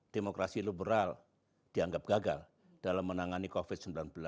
demokrasi liberal dianggap gagal dalam menangani covid sembilan belas